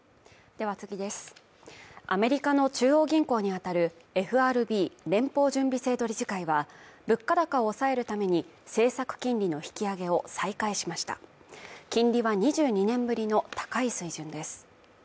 アメリカの中央銀行にあたるＦＲＢ＝連邦準備制度理事会は物価高を抑えるために政策金利の引き上げを再開しました金利は２２年ぶりの高い水準です